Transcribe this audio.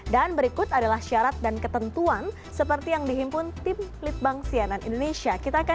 dan berikut adalah syarat dan ketentuan seperti yang dihimpun tim litbang sianan indonesia